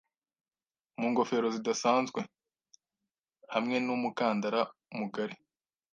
Mu ngofero zidasanzwe hamwe n'umukandara mugari